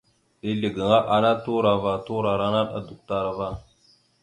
Ezle gaŋa ana turo ava turora naɗ adukətar ava.